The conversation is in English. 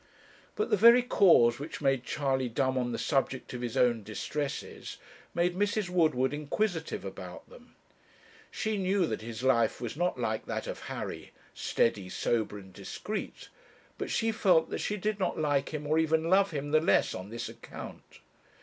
But the very cause which made Charley dumb on the subject of his own distresses made Mrs. Woodward inquisitive about them. She knew that his life was not like that of Harry steady, sober, and discreet; but she felt that she did not like him, or even love him the less on this account.